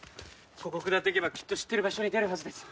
ここ下っていけばきっと知ってる場所に出るはずです。